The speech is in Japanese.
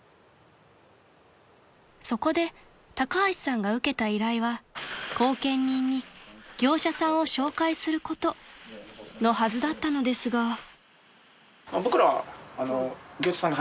［そこで高橋さんが受けた依頼は後見人に業者さんを紹介することのはずだったのですが］